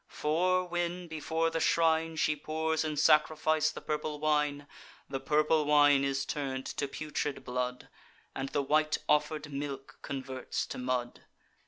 for when, before the shrine, She pours in sacrifice the purple wine, The purple wine is turn'd to putrid blood, And the white offer'd milk converts to mud.